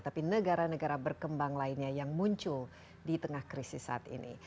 tapi negara negara berkembang lainnya yang muncul di tengah krisis saat ini